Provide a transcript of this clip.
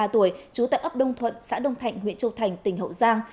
một mươi ba tuổi trú tại ấp đông thuận xã đông thạnh huyện châu thành tỉnh hậu giang